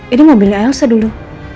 ini mobilnya elsa dulu